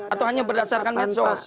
atau hanya berdasarkan medsos